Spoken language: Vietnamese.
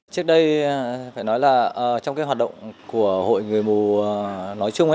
trước đây phải nói là trong cái hoạt động của hội người mù nói chung